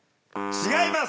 違います。